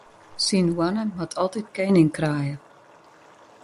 Syn hoanne moat altyd kening kraaie.